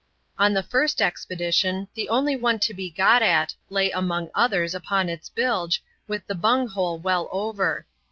On the first expedition, the only one to be got at lay among others, upon its bilge, with the bung hole well over.